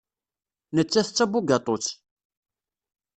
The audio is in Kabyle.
Nettat d tabugaṭut.